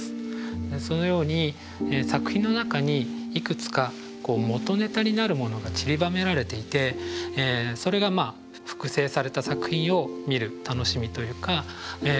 そのように作品の中にいくつかこう元ネタになるものがちりばめられていてそれがまあ複製された作品を見る楽しみというか面白さだと思います。